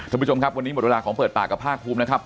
ทุกผู้ชมวันนี้หมดวัดของเปิดปากกับภาครุมแล้วครับ